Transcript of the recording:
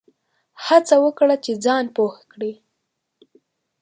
هڅه وکړه چي ځان پوه کړې !